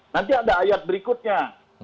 nanti ada ayat berikutnya